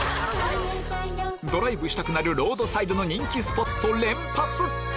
ドライブしたくなるロードサイドの人気スポット連発！